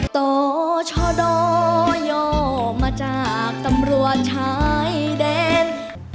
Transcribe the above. ต่อช่อดออยอมมาจากกำรัวชายเด่น